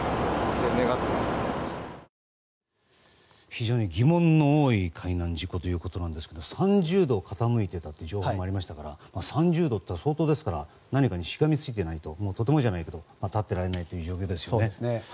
非常に疑問の多い海難事故ということですが３０度傾いていたという情報がありましたから３０度といったら相当ですから何かにしがみついていないととてもじゃないけれど立っていられないですよね。